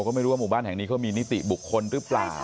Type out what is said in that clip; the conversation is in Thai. ก็ไม่รู้ว่าหมู่บ้านแห่งนี้เขามีนิติบุคคลหรือเปล่า